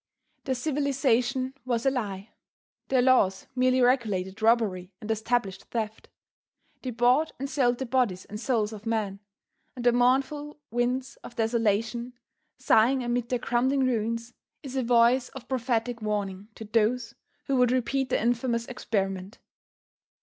Their civilization was a lie. Their laws merely regulated robbery and established theft. They bought and sold the bodies and souls of men, and the mournful winds of desolation, sighing amid their crumbling ruins, is a voice of prophetic warning to those who would repeat the infamous experiment.